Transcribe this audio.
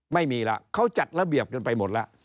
ไม่มีแล้วเขาจัดระเบียบกันไปหมดแล้ว